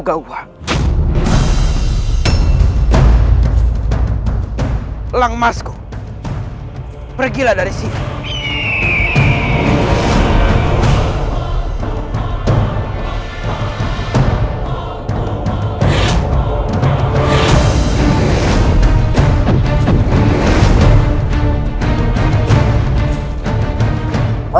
dengan memakai topeng kepanakanku